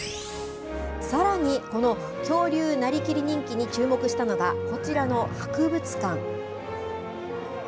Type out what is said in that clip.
さらに、この恐竜なりきり人気に注目したのがこちらの博物館。